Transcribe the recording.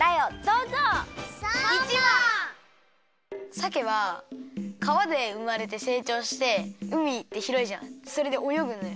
さけはかわでうまれてせいちょうしてうみってひろいじゃんそれでおよぐのよ。